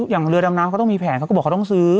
อย่างเรือดำน้ำเขาต้องมีแผนเขาก็บอกเขาต้องซื้อ